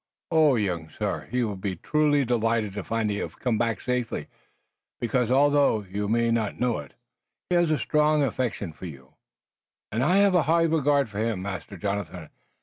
Oh, young sir, he will be truly delighted to find that you have come back safely, because, although you may know it not, he has a strong affection for you!" "And I have a high regard for him, Master Jonathan.